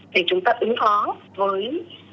để chúng ta ứng thó với